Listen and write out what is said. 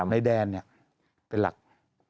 แต่ได้ยินจากคนอื่นแต่ได้ยินจากคนอื่น